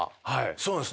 そうなんです。